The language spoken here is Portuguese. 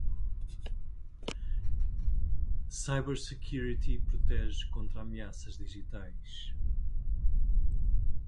Cybersecurity protege contra ameaças digitais.